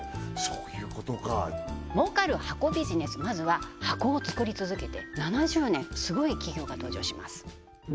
そういうことか儲かる箱ビジネスまずは箱を作り続けて７０年スゴい企業が登場します